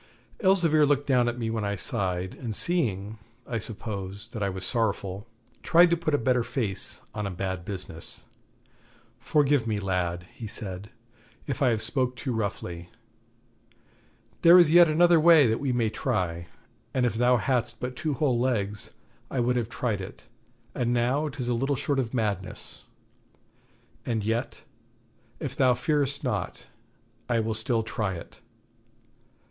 Elzevir looked down at me when I sighed, and seeing, I suppose, that I was sorrowful, tried to put a better face on a bad business. 'Forgive me, lad,' he said, 'if I have spoke too roughly. There is yet another way that we may try; and if thou hadst but two whole legs, I would have tried it, but now 'tis little short of madness. And yet, if thou fear'st not, I will still try it.